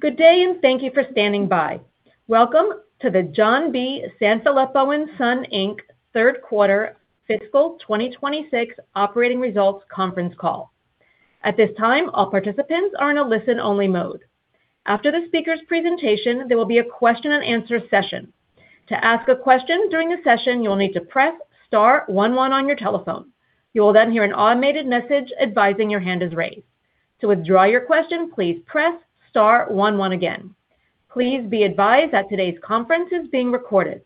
Good day, and thank you for standing by. Welcome to the John B. Sanfilippo & Son, Inc third quarter fiscal 2026 operating results conference call. At this time, all participants are in a listen-only mode. After the speaker's presentation, there will be a question-and-answer session. To ask a question during the session, you will need to press star one one on your telephone. You will hear an automated message advising your hand is raised. To withdraw your question, please press star one one again. Please be advised that today's conference is being recorded.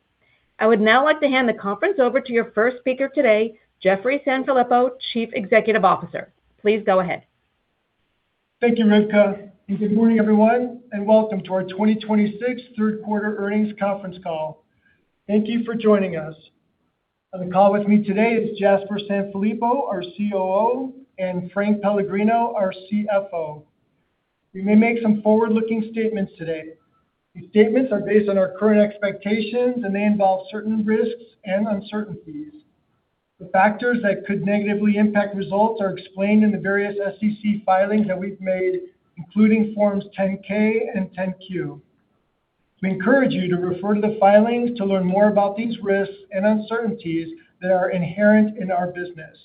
I would now like to hand the conference over to your first speaker today, Jeffrey Sanfilippo, Chief Executive Officer. Please go ahead. Thank you, Rivka, good morning, everyone, and welcome to our 2026 third quarter earnings conference call. Thank you for joining us. On the call with me today is Jasper Sanfilippo, our COO, and Frank Pellegrino, our CFO. We may make some forward-looking statements today. These statements are based on our current expectations, and they involve certain risks and uncertainties. The factors that could negatively impact results are explained in the various SEC filings that we've made, including Forms 10-K and 10-Q. We encourage you to refer to the filings to learn more about these risks and uncertainties that are inherent in our business.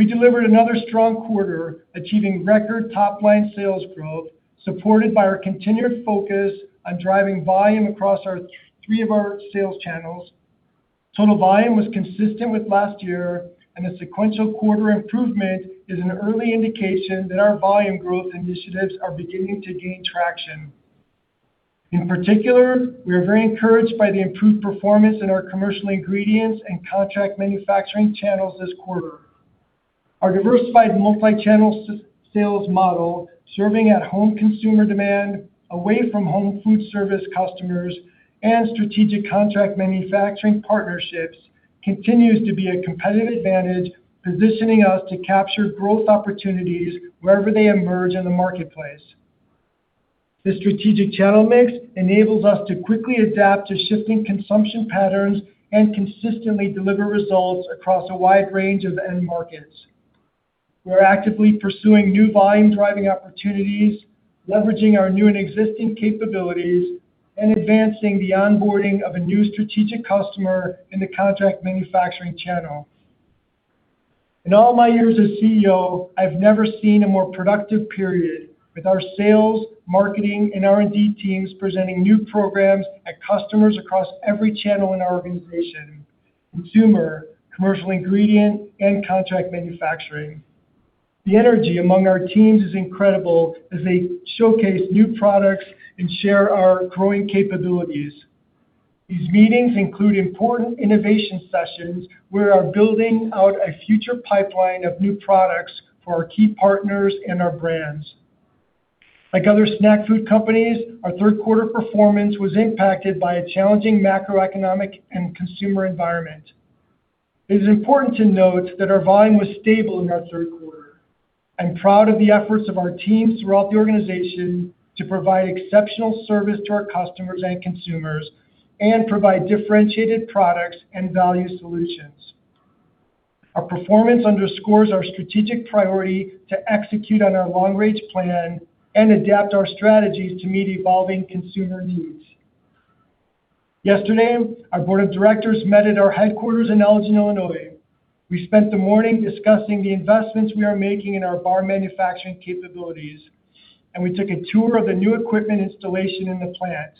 We delivered another strong quarter, achieving record top-line sales growth, supported by our continued focus on driving volume across our three of our sales channels. Total volume was consistent with last year, and the sequential quarter improvement is an early indication that our volume growth initiatives are beginning to gain traction. In particular, we are very encouraged by the improved performance in our commercial ingredients and contract manufacturing channels this quarter. Our diversified multi-channel sales model, serving at-home consumer demand, away-from-home food service customers, and strategic contract manufacturing partnerships continues to be a competitive advantage, positioning us to capture growth opportunities wherever they emerge in the marketplace. This strategic channel mix enables us to quickly adapt to shifting consumption patterns and consistently deliver results across a wide range of end markets. We're actively pursuing new volume-driving opportunities, leveraging our new and existing capabilities and advancing the onboarding of a new strategic customer in the contract manufacturing channel. In all my years as CEO, I've never seen a more productive period with our sales, marketing, and R&D teams presenting new programs at customers across every channel in our organization: consumer, commercial ingredient, and contract manufacturing. The energy among our teams is incredible as they showcase new products and share our growing capabilities. These meetings include important innovation sessions where we are building out a future pipeline of new products for our key partners and our brands. Like other snack food companies, our third quarter performance was impacted by a challenging macroeconomic and consumer environment. It is important to note that our volume was stable in our third quarter. I'm proud of the efforts of our teams throughout the organization to provide exceptional service to our customers and consumers and provide differentiated products and value solutions. Our performance underscores our strategic priority to execute on our long-range plan and adapt our strategies to meet evolving consumer needs. Yesterday, our board of directors met at our headquarters in Elgin, Illinois. We spent the morning discussing the investments we are making in our bar manufacturing capabilities, and we took a tour of the new equipment installation in the plant.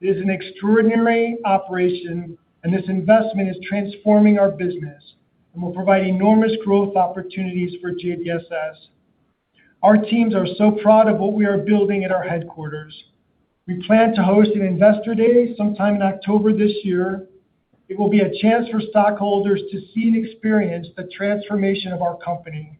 It is an extraordinary operation, and this investment is transforming our business and will provide enormous growth opportunities for JBSS. Our teams are so proud of what we are building at our headquarters. We plan to host an investor day sometime in October this year. It will be a chance for stockholders to see and experience the transformation of our company.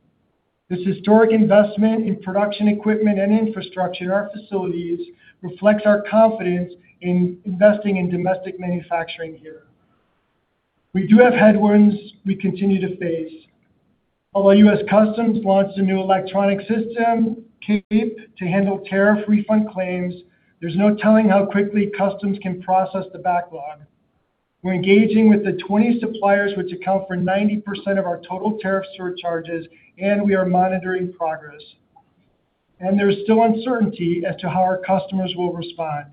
This historic investment in production equipment and infrastructure in our facilities reflects our confidence in investing in domestic manufacturing here. We do have headwinds we continue to face. Although U.S. Customs launched a new electronic system, CAPE, to handle tariff refund claims, there's no telling how quickly Customs can process the backlog. We're engaging with the 20 suppliers which account for 90% of our total tariff surcharges, and we are monitoring progress. There's still uncertainty as to how our customers will respond.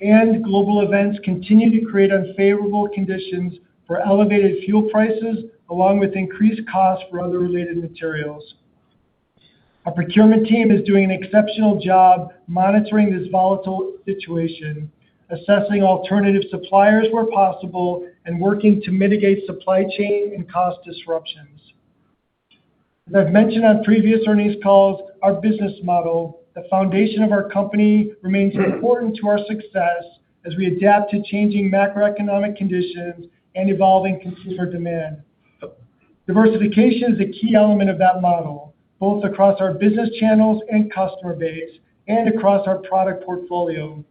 Global events continue to create unfavorable conditions for elevated fuel prices, along with increased costs for other related materials. Our procurement team is doing an exceptional job monitoring this volatile situation, assessing alternative suppliers where possible, and working to mitigate supply chain and cost disruptions. As I've mentioned on previous earnings calls, our business model, the foundation of our company, remains important to our success as we adapt to changing macroeconomic conditions and evolving consumer demand. Diversification is a key element of that model, both across our business channels and customer base and across our product portfolio.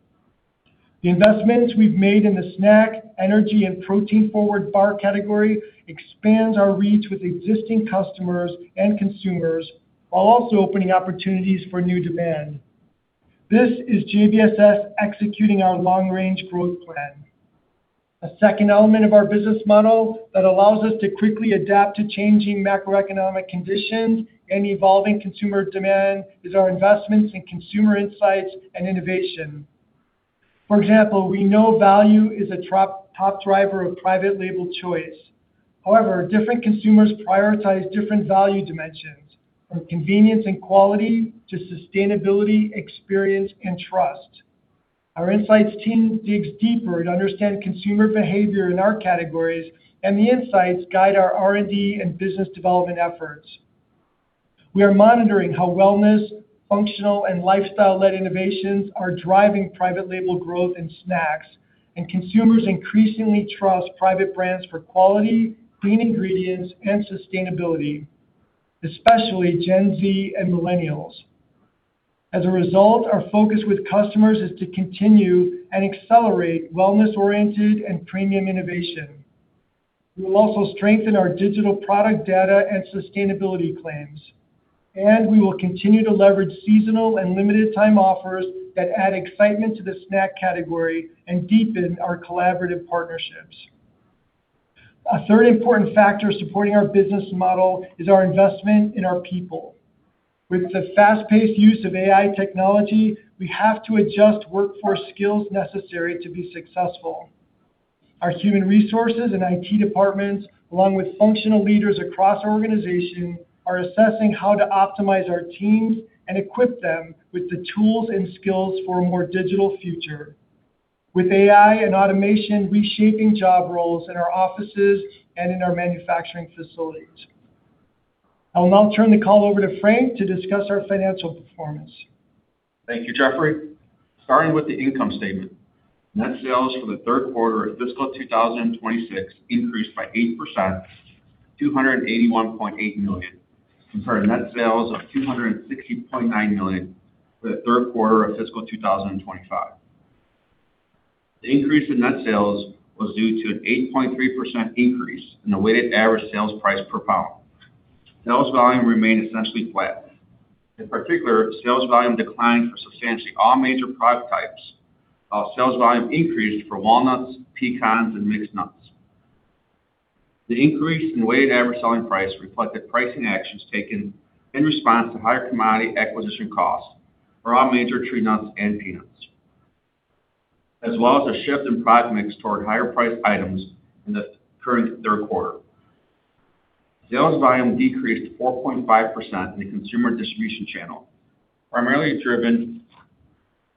The investments we've made in the snack, energy, and protein-forward bar category expands our reach with existing customers and consumers while also opening opportunities for new demand. This is JBSS executing our long-range growth plan. A second element of our business model that allows us to quickly adapt to changing macroeconomic conditions and evolving consumer demand is our investments in consumer insights and innovation. For example, we know value is a top driver of private label choice. However, different consumers prioritize different value dimensions, from convenience and quality to sustainability, experience, and trust. Our insights team digs deeper to understand consumer behavior in our categories, and the insights guide our R&D and business development efforts. We are monitoring how wellness, functional, and lifestyle-led innovations are driving private label growth in snacks, and consumers increasingly trust private brands for quality, clean ingredients, and sustainability, especially Gen Z and millennials. As a result, our focus with customers is to continue and accelerate wellness-oriented and premium innovation. We will also strengthen our digital product data and sustainability claims, and we will continue to leverage seasonal and limited time offers that add excitement to the snack category and deepen our collaborative partnerships. A third important factor supporting our business model is our investment in our people. With the fast-paced use of AI technology, we have to adjust workforce skills necessary to be successful. Our human resources and IT departments, along with functional leaders across our organization, are assessing how to optimize our teams and equip them with the tools and skills for a more digital future. With AI and automation reshaping job roles in our offices and in our manufacturing facilities. I will now turn the call over to Frank to discuss our financial performance. Thank you, Jeffrey. Starting with the income statement. Net sales for the third quarter of fiscal 2026 increased by 8%, $281.8 million, compared to net sales of $260.9 million for the third quarter of fiscal 2025. The increase in net sales was due to an 8.3% increase in the weighted average sales price per pound. Sales volume remained essentially flat. Sales volume declined for substantially all major product types, while sales volume increased for walnuts, pecans, and mixed nuts. The increase in weighted average selling price reflected pricing actions taken in response to higher commodity acquisition costs for all major tree nuts and peanuts, as well as a shift in product mix toward higher priced items in the current third quarter. Sales volume decreased 4.5% in the consumer distribution channel, primarily driven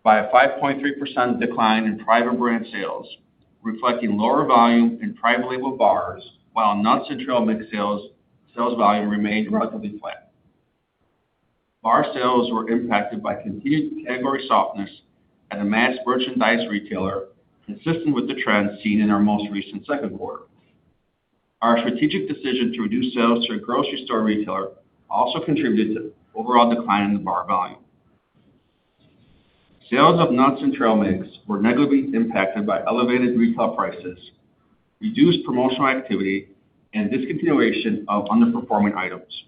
by a 5.3% decline in private brand sales, reflecting lower volume in private label bars, while nuts and trail mix sales volume remained relatively flat. Bar sales were impacted by continued category softness at a mass merchandise retailer, consistent with the trend seen in our most recent second quarter. Our strategic decision to reduce sales to a grocery store retailer also contributed to overall decline in the bar volume. Sales of nuts and trail mix were negatively impacted by elevated retail prices, reduced promotional activity, and discontinuation of underperforming items.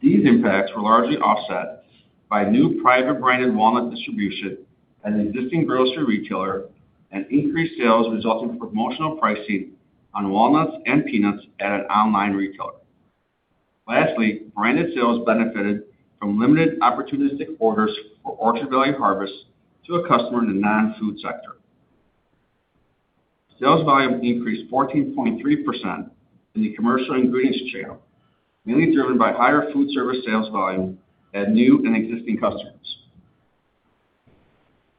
These impacts were largely offset by new private branded walnut distribution at an existing grocery retailer and increased sales resulting from promotional pricing on walnuts and peanuts at an online retailer. Lastly, branded sales benefited from limited opportunistic orders for Orchard Valley Harvest to a customer in the non-food sector. Sales volume increased 14.3% in the commercial ingredients channel, mainly driven by higher food service sales volume at new and existing customers.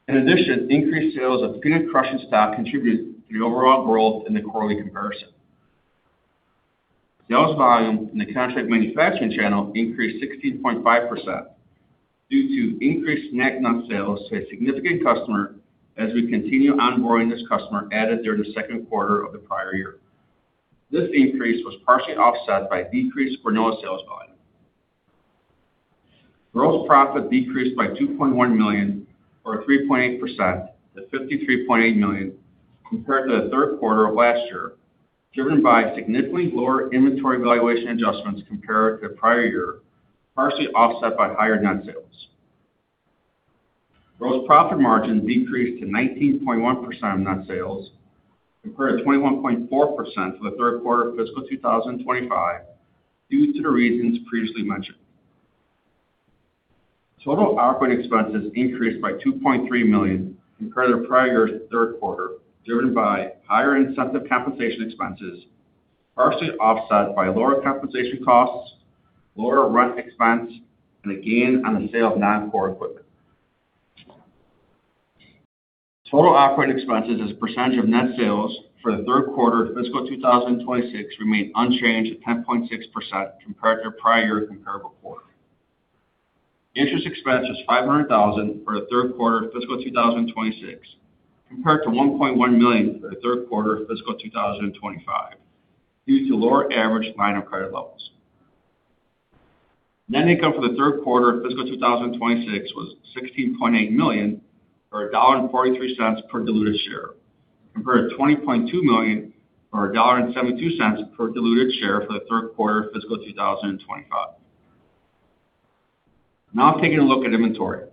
In addition, increased sales of peanut crushing stock contributed to the overall growth in the quarterly comparison. Sales volume in the contract manufacturing channel increased 16.5% due to increased snack nut sales to a significant customer as we continue onboarding this customer added during the second quarter of the prior year. This increase was partially offset by decreased granola sales volume. Gross profit decreased by $2.1 million, or 3.8% to $53.8 million compared to the third quarter of last year, driven by significantly lower inventory valuation adjustments compared to the prior year, partially offset by higher net sales. Gross profit margin decreased to 19.1% of net sales, compared to 21.4% for the third quarter of fiscal 2025, due to the reasons previously mentioned. Total operating expenses increased by $2.3 million compared to the prior year's third quarter, driven by higher incentive compensation expenses, partially offset by lower compensation costs, lower rent expense, and a gain on the sale of non-core equipment. Total operating expenses as a percentage of net sales for the third quarter of fiscal 2026 remained unchanged at 10.6% compared to the prior year comparable quarter. Interest expense was $500,000 for the third quarter of fiscal 2026, compared to $1.1 million for the third quarter of fiscal 2025, due to lower average line of credit levels. Net income for the third quarter of fiscal 2026 was $16.8 million, or $1.43 per diluted share, compared to $20.2 million, or $1.72 per diluted share for the third quarter of fiscal 2025. Now taking a look at inventory.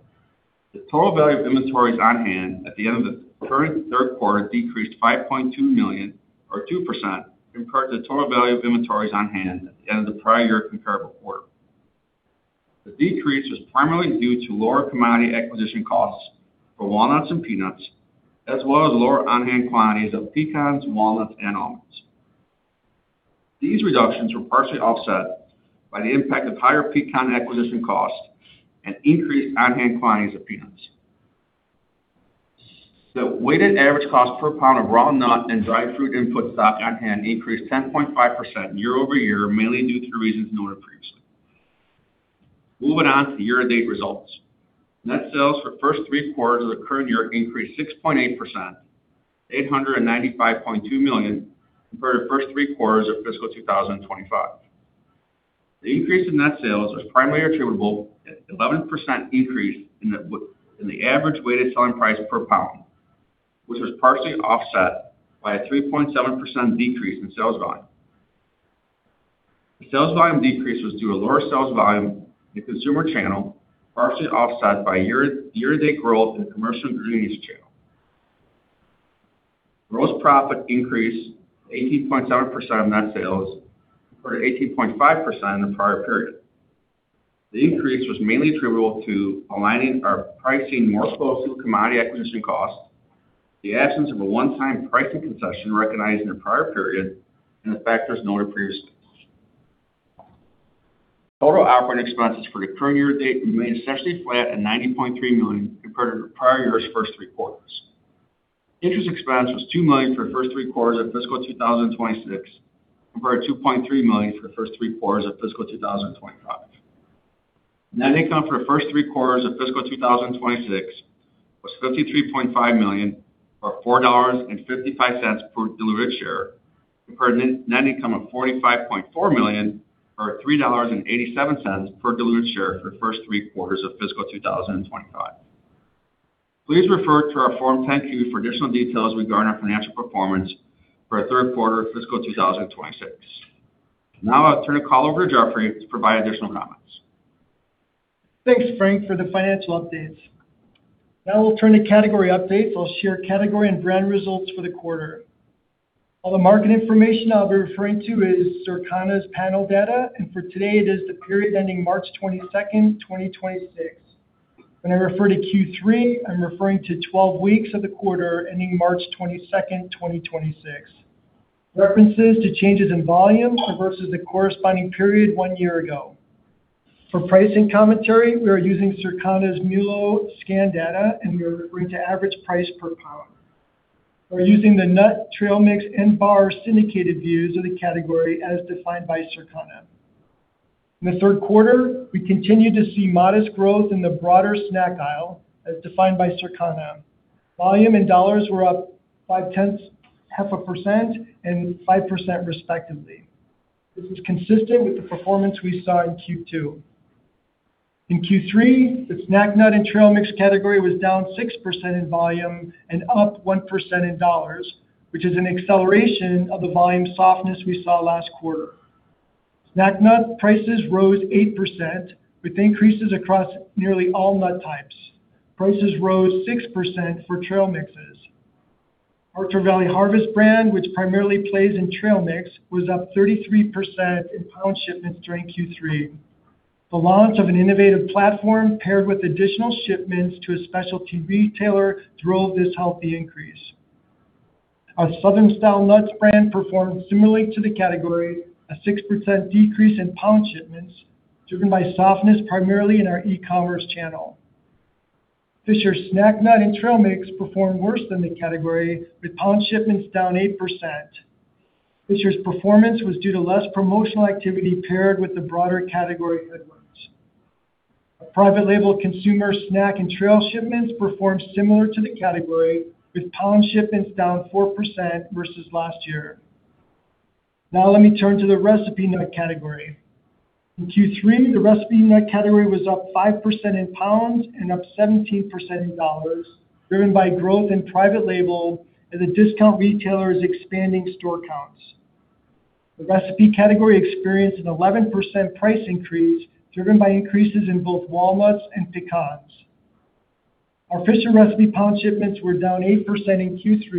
The total value of inventories on hand at the end of the current third quarter decreased $5.2 million or 2% compared to the total value of inventories on hand at the end of the prior year comparable quarter. The decrease was primarily due to lower commodity acquisition costs for walnuts and peanuts, as well as lower on-hand quantities of pecans, walnuts and almonds. These reductions were partially offset by the impact of higher pecan acquisition costs and increased on-hand quantities of peanuts. The weighted average cost per pound of raw nut and dried fruit input stock on hand increased 10.5% year-over-year, mainly due to reasons noted previously. Moving on to the year-to-date results. Net sales for the first three quarters of the current year increased 6.8%, $895.2 million, compared to the first three quarters of fiscal 2025. The increase in net sales was primarily attributable to an 11% increase in the average weighted selling price per pound, which was partially offset by a 3.7% decrease in sales volume. The sales volume decrease was due to lower sales volume in the consumer channel, partially offset by year-to-date growth in the commercial ingredients channel. Gross profit increased to 18.7% of net sales, compared to 18.5% in the prior period. The increase was mainly attributable to aligning our pricing more closely with commodity acquisition costs, the absence of a one-time pricing concession recognized in the prior period, and the factors noted previously. Total operating expenses for the current year-to-date remained substantially flat at $90.3 million compared to the prior year's first three quarters. Interest expense was $2 million for the first three quarters of fiscal 2026, compared to $2.3 million for the first three quarters of fiscal 2025. Net income for the first three quarters of fiscal 2026 was $53.5 million, or $4.55 per diluted share, compared to net income of $45.4 million, or $3.87 per diluted share for the first three quarters of fiscal 2025. Please refer to our Form 10-Q for additional details regarding our financial performance for our third quarter of fiscal 2026. I'll turn the call over to Jeffrey to provide additional comments. Thanks, Frank, for the financial updates. We'll turn to category updates. I'll share category and brand results for the quarter. All the market information I'll be referring to is Circana's panel data, and for today it is the period ending March 22nd, 2026. When I refer to Q3, I'm referring to 12 weeks of the quarter ending March 22nd, 2026. References to changes in volume are versus the corresponding period one year ago. For pricing commentary, we are using Circana's MULO scan data, and we are referring to average price per pound. We're using the nut, trail mix, and bar syndicated views of the category as defined by Circana. In the third quarter, we continued to see modest growth in the broader snack aisle as defined by Circana. Volume and dollars were up 0.5% and 5% respectively. This is consistent with the performance we saw in Q2. In Q3, the snack nut and trail mix category was down 6% in volume and up 1% in dollars, which is an acceleration of the volume softness we saw last quarter. Snack nut prices rose 8% with increases across nearly all nut types. Prices rose 6% for trail mixes. Orchard Valley Harvest brand, which primarily plays in trail mix, was up 33% in pound shipments during Q3. The launch of an innovative platform paired with additional shipments to a specialty retailer drove this healthy increase. Our Southern Style Nuts brand performed similarly to the category, a 6% decrease in pound shipments driven by softness primarily in our e-commerce channel. Fisher Snack Nut and Trail Mix performed worse than the category with pound shipments down 8%. Fisher's performance was due to less promotional activity paired with the broader category headwinds. Our private label consumer snack and trail shipments performed similar to the category with pound shipments down 4% versus last year. Let me turn to the recipe nut category. In Q3, the recipe nut category was up 5% in pounds and up 17% in dollars, driven by growth in private label and the discount retailers expanding store counts. The recipe category experienced an 11% price increase, driven by increases in both walnuts and pecans. Our Fisher Recipe pound shipments were down 8% in Q3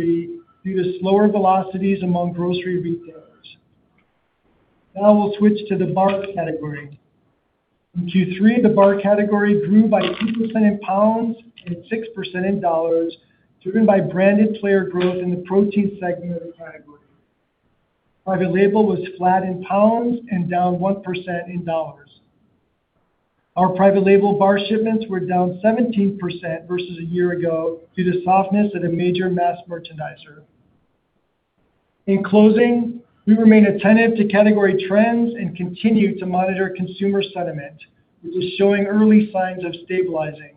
due to slower velocities among grocery retailers. We'll switch to the bar category. In Q3, the bar category grew by 2% in pounds and 6% in dollars, driven by branded player growth in the protein segment of the category. Private label was flat in pounds and down 1% in dollars. Our private label bar shipments were down 17% versus a year ago due to softness at a major mass merchandiser. In closing, we remain attentive to category trends and continue to monitor consumer sentiment, which is showing early signs of stabilizing.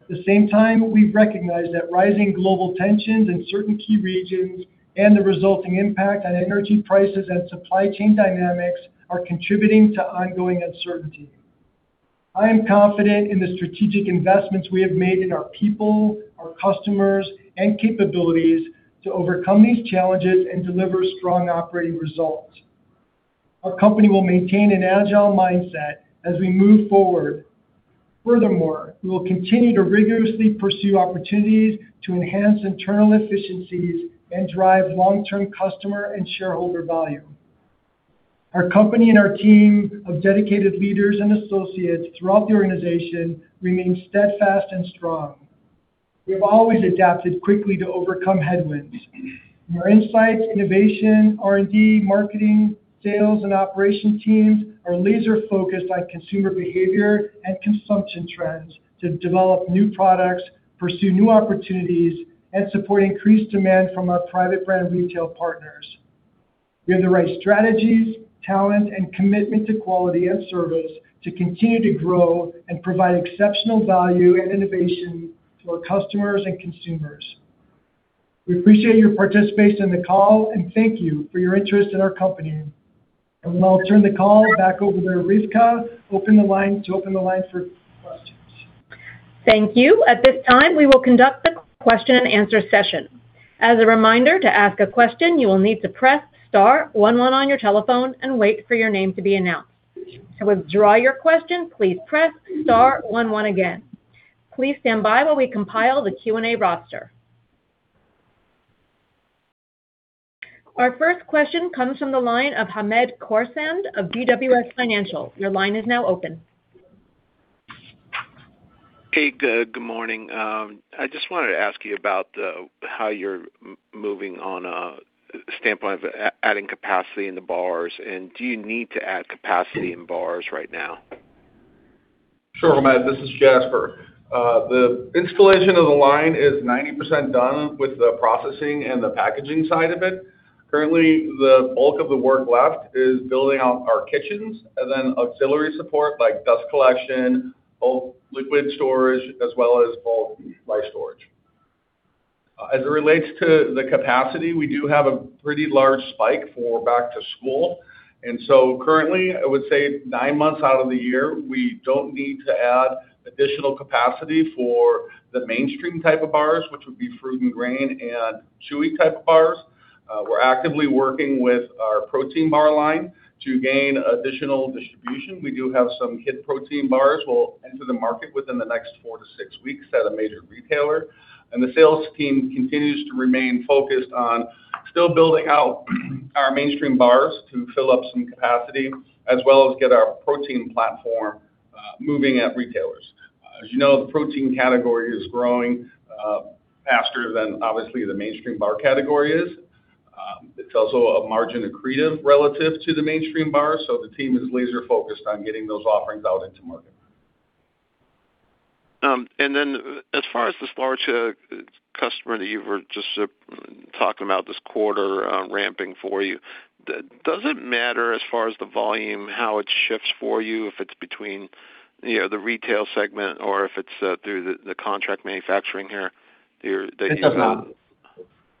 At the same time, we recognize that rising global tensions in certain key regions and the resulting impact on energy prices and supply chain dynamics are contributing to ongoing uncertainty. I am confident in the strategic investments we have made in our people, our customers, and capabilities to overcome these challenges and deliver strong operating results. Our company will maintain an agile mindset as we move forward. Furthermore, we will continue to rigorously pursue opportunities to enhance internal efficiencies and drive long-term customer and shareholder value. Our company and our team of dedicated leaders and associates throughout the organization remain steadfast and strong. We have always adapted quickly to overcome headwinds. Our insights, innovation, R&D, marketing, sales, and operation teams are laser focused on consumer behavior and consumption trends to develop new products, pursue new opportunities, and support increased demand from our private brand retail partners. We have the right strategies, talent, and commitment to quality and service to continue to grow and provide exceptional value and innovation to our customers and consumers. We appreciate your participation in the call, and thank you for your interest in our company. I will now turn the call back over to Rivka to open the line for questions. Thank you. At this time, we will conduct the question-and-answer session. As a reminder, to ask a question, you will need to press star one one on your telephone and wait for your name to be announced. To withdraw your question, please press star one one again. Please stand by while we compile the Q&A roster. Our first question comes from the line of Hamed Khorsand of BWS Financial. Your line is now open. Hey, good morning. I just wanted to ask you about how you're moving on a standpoint of adding capacity in the bars, and do you need to add capacity in bars right now? Sure, Hamed. This is Jasper. The installation of the line is 90% done with the processing and the packaging side of it. Currently, the bulk of the work left is building out our kitchens and then auxiliary support like dust collection, bulk liquid storage, as well as bulk life storage. As it relates to the capacity, we do have a pretty large spike for back to school. Currently, I would say nine months out of the year, we don't need to add additional capacity for the mainstream type of bars, which would be fruit and grain and chewy type bars. We're actively working with our protein bar line to gain additional distribution. We do have some kid protein bars will enter the market within the next four to six weeks at a major retailer. The sales team continues to remain focused on still building out our mainstream bars to fill up some capacity, as well as get our protein platform moving at retailers. As you know, the protein category is growing faster than obviously the mainstream bar category is. It's also a margin accretive relative to the mainstream bar, so the team is laser focused on getting those offerings out into market. As far as this large customer that you were just talking about this quarter, ramping for you, does it matter as far as the volume, how it shifts for you, if it's between, you know, the retail segment or if it's through the contract manufacturing here? It does not.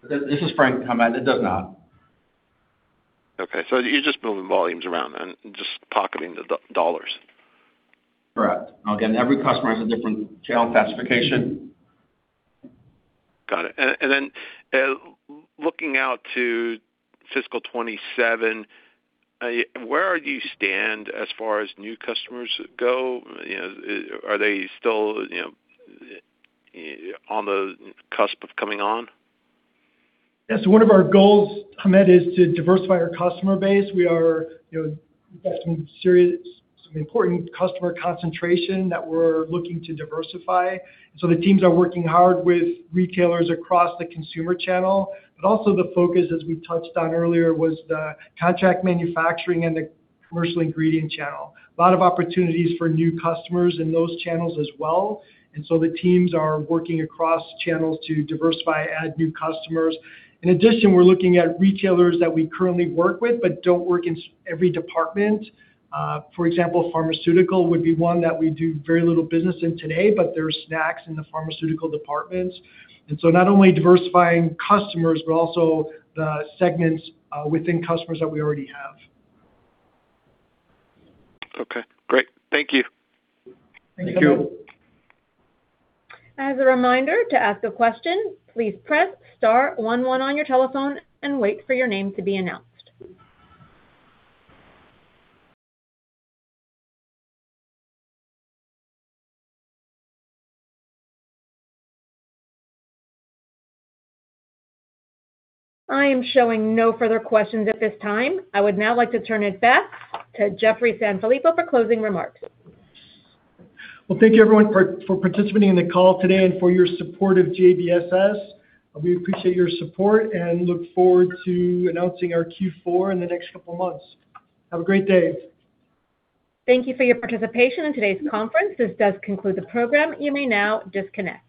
This is Frank. Hamed, it does not. Okay. You're just moving volumes around then and just pocketing the dollars. Correct. Again, every customer has a different channel classification. Got it. Looking out to fiscal 2027, where do you stand as far as new customers go? You know, are they still, you know, on the cusp of coming on? Yeah. One of our goals, Hamed, is to diversify our customer base. We are, you know, we've got some serious, some important customer concentration that we're looking to diversify. The teams are working hard with retailers across the consumer channel. Also the focus, as we touched on earlier, was the contract manufacturing and the commercial ingredient channel. A lot of opportunities for new customers in those channels as well. The teams are working across channels to diversify, add new customers. In addition, we're looking at retailers that we currently work with, but don't work in every department. For example, pharmaceutical would be one that we do very little business in today, but there are snacks in the pharmaceutical departments. Not only diversifying customers, but also the segments within customers that we already have. Okay, great. Thank you. Thank you. Thank you. As a reminder, to ask a question, please press star one one on your telephone and wait for your name to be announced. I am showing no further questions at this time. I would now like to turn it back to Jeffrey Sanfilippo for closing remarks. Well, thank you everyone for participating in the call today and for your support of JBSS. We appreciate your support and look forward to announcing our Q4 in the next couple of months. Have a great day. Thank you for your participation in today's conference. This does conclude the program. You may now disconnect.